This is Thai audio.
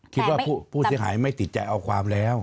คิดว่าผู้เสียหายไม่ติดใจเอาความแล้ว